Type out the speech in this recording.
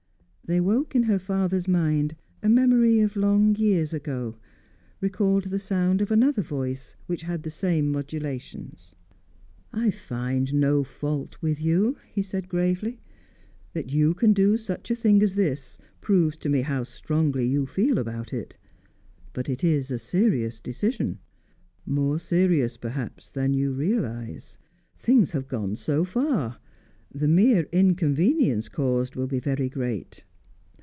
They woke in her father's mind a memory of long years ago, recalled the sound of another voice which had the same modulations. "I find no fault with you," he said gravely. "That you can do such a thing as this proves to me how strongly you feel about it. But it is a serious decision more serious, perhaps, than you realise. Things have gone so far. The mere inconvenience caused will be very great."